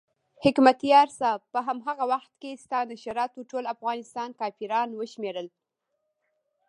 حکمتیار صاحب په هماغه وخت کې ستا نشراتو ټول افغانان کافران وشمېرل.